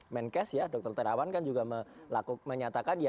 menkes ya dr terawan kan juga menyatakan ya